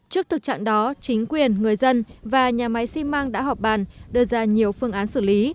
trước thực trạng đó chính quyền người dân và nhà máy xi măng đã họp bàn đưa ra nhiều phương án xử lý